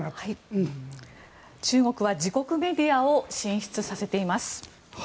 中国は自国メディアを進出させています。